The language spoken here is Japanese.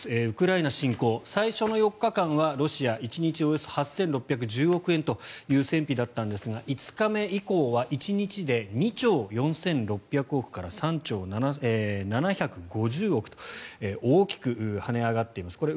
ウクライナ侵攻最初の４日間はロシアは１日およそ８６１０億円という戦費だったんですが５日目以降は１日で２兆４６００億円から３兆７５０億円と大きく跳ね上がっています。